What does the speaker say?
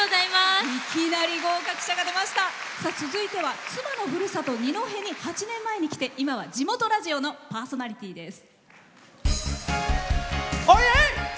続いては妻のふるさと二戸に８年前に来て今は地元ラジオのパーソナリティーです。